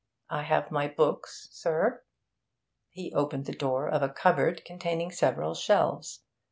I have my books, sir ' He opened the door of a cupboard containing several shelves.